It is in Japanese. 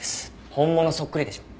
本物そっくりでしょ？